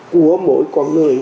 của mỗi công an